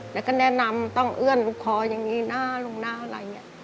แล้วก็แนะนำต้องเอื้อนลูกคออย่างนี้นะลุงหน้าอะไรอย่างนี้